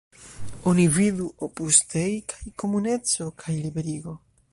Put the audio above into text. Oni vidu: Opus Dei kaj Komuneco kaj Liberigo.